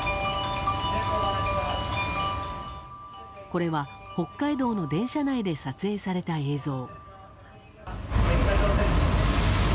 これは北海道の電車内で撮影された映像。